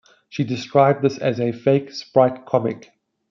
She described this as a "fake" sprite comic.